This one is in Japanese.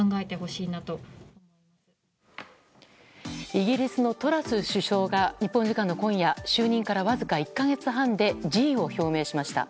イギリスのトラス首相が日本時間の今夜就任からわずか１か月半で辞意を表明しました。